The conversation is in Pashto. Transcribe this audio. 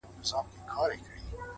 ه ته خپه د ستړي ژوند له شانه نه يې’